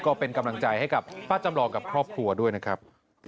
ก็เป็นกำลังใจให้กับป้าจำลองกับครอบครัวด้วยนะครับ